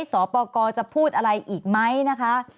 สปกรจะพูดอะไรอีกไหมนะคะ